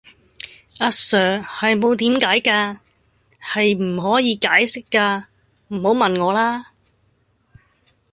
阿 sir, 係冇點解架,係唔可以解釋架,唔好問我啦!